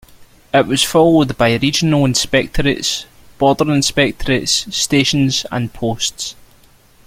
It was followed by Regional Inspectorates, Border Inspectorates, stations and posts.